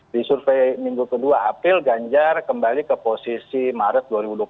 di survei minggu kedua april ganjar kembali ke posisi maret dua ribu dua puluh tiga